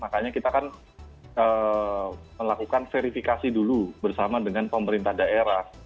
makanya kita kan melakukan verifikasi dulu bersama dengan pemerintah daerah